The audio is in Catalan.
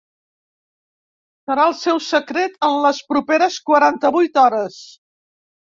Serà el seu secret en les properes quaranta-vuit hores.